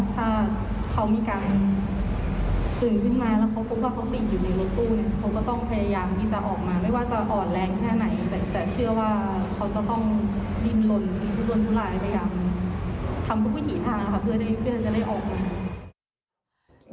ถ้าเขามีการตื่นขึ้นมาแล้วเขาก็พบว่าเขาติดอยู่ในรถตู้